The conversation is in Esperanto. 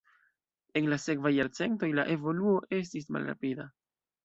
En la sekvaj jarcentoj la evoluo estis malrapida.